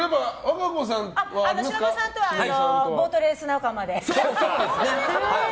坂上さんとはボートレース仲間で。